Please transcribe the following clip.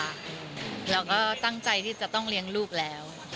เราก็ตั้งใจที่จะต้องเลี้ยงลูกแล้ว